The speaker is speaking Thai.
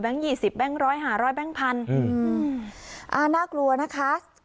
แบงค์ยี่สิบแบงค์ร้อยหาร้อยแบงค์พันอืมอ่าน่ากลัวนะคะ